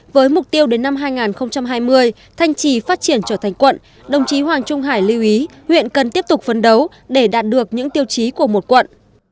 với mục tiêu đến năm hai nghìn hai mươi thanh trì phát triển trở thành quận đồng chí hoàng trung hải lưu ý huyện cần tiếp tục phấn đấu để đạt được những tiêu chí của một quận